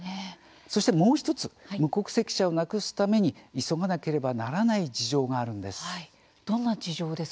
もう１つ無国籍者をなくすために急がなければならない事情があるんです。